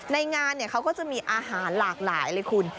ในงานเขาก็จะมีอาหารหลากหลายเลยคุณ